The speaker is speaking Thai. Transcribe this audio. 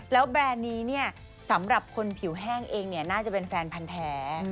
แล้วแบรนด์นี้สำหรับคนผิวแห้งเองน่าจะเป็นแฟนพันธุ์แท้